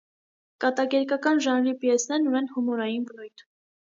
Կատակերգական ժանրի պիեսներն ունեն հումորային բնույթ։